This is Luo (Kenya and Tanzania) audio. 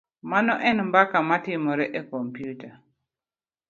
Mano en mbaka matimore e kompyuta.